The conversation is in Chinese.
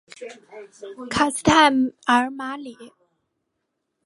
卡斯泰尔马里。